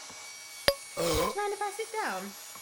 Do you mind if I sit down?